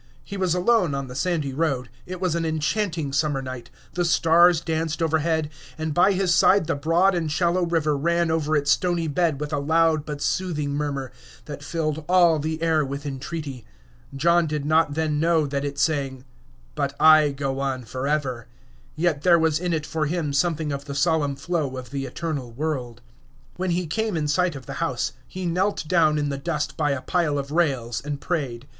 He was alone on the sandy road; it was an enchanting summer night; the stars danced overhead, and by his side the broad and shallow river ran over its stony bed with a loud but soothing murmur that filled all the air with entreaty. John did not then know that it sang, "But I go on forever," yet there was in it for him something of the solemn flow of the eternal world. When he came in sight of the house, he knelt down in the dust by a pile of rails and prayed.